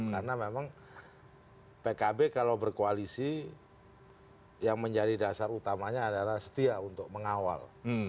karena memang pkb kalau berkoalisi yang menjadi dasar utamanya adalah setia untuk mengawal